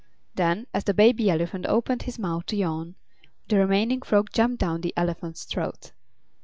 Then, as the Baby Elephant opened his mouth to yawn, the remaining frog jumped down the elephant's throat.